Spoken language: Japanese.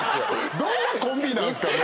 どんなコンビなんですか？